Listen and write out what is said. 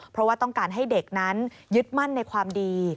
เพราะว่าต้องการให้เด็กนั้นยึดมั่นในความดี